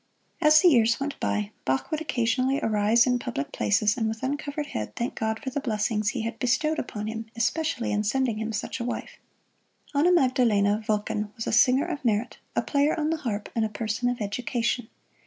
As the years went by, Bach occasionally would arise in public places, and with uncovered head thank God for the blessings He had bestowed upon him, especially in sending him such a wife. Anna Magdalena Wulken was a singer of merit, a player on the harp, and a person of education.